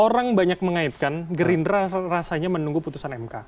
orang banyak mengaitkan gerindra rasanya menunggu putusan mk